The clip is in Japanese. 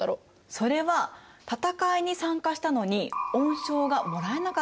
それは戦いに参加したのに恩賞がもらえなかったから。